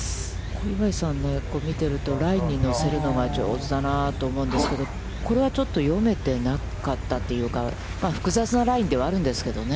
小祝さんを見ていると、ラインに乗せるのが上手だなと思うんですけど、これはちょっと読めてなかったというか、複雑なラインではあるんですけどね。